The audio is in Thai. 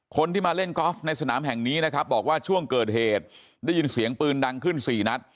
คนที่มาเล่นกอล์ฟในสนามแห่งนี้นะครับบอกว่าช่วงเกิดเหตุได้ยินเสียงปืนดังขึ้น๔นัด